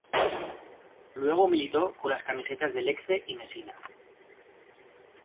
Luego militó con las camisetas de Lecce y Mesina.